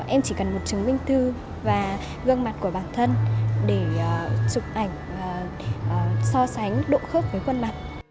em chỉ cần một chứng minh thư và gương mặt của bản thân để chụp ảnh so sánh độ khớp với khuôn mặt